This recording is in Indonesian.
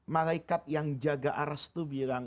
malaikat yang jaga aras itu bilang